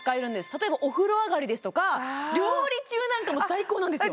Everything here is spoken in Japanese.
例えばお風呂上がりですとか料理中なんかも最高なんですよ